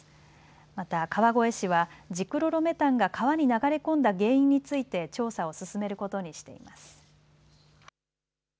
また川越市はジクロロメタンが川に流れ込んだ原因について調査を進めることにしています。